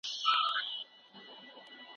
ستراتیژي بریالۍ وه.